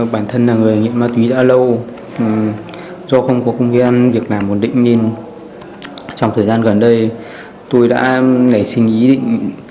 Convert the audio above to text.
bản thân là người nghiện ma túy đã lâu do không có công viên việc làm ổn định nên trong thời gian gần đây tôi đã nảy sinh ý định